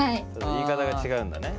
言い方が違うんだね。